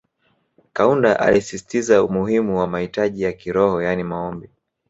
Kaunda alisisitiza umuhimu wa mahitaji ya kiroho yani Maombi